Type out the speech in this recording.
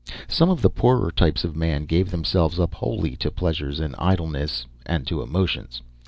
Some of the poorer types of man gave themselves up wholly to pleasure and idleness and to emotions.